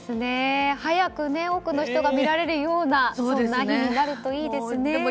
早く多くの人が見られるようになるといいですね。